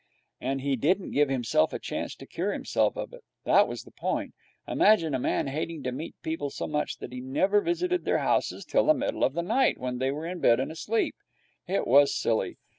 And he didn't give himself a chance to cure himself of it. That was the point. Imagine a man hating to meet people so much that he never visited their houses till the middle of the night, when they were in bed and asleep. It was silly.